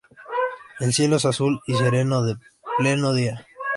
El cielo es azul y sereno, de pleno día.